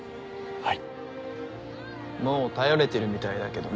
はい。